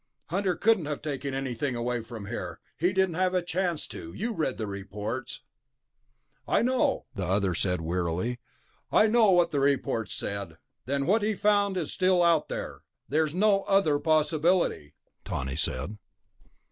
"Hunter couldn't have taken anything away from there, he didn't have a chance to. You read the reports..." "I know," the other said wearily, "I know what the reports said." "Then what he found is still there. There's no other possibility," Tawney said.